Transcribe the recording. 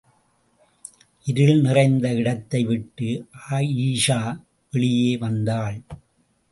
இருள் நிறைந்த இடத்தை விட்டு ஆயீஷா வெளியே வந்தாள்.